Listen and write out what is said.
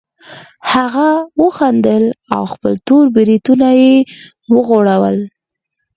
هغه وخندل او خپل تور بریتونه یې وغوړول